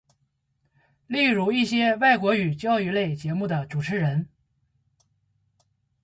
例如一些外国语教育类节目的主持人。